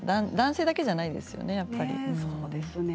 男性だけじゃないですよね